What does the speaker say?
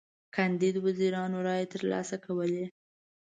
کاندید وزیرانو رایی تر لاسه کولې.